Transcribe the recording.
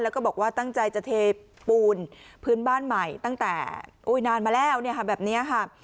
แล้วก็บอกว่าตั้งใจจะเทปูนพื้นบ้านใหม่ตั้งแต่นานมาแล้วแบบนี้ค่ะ